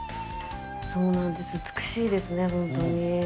そうなんです、美しいですね、本当に。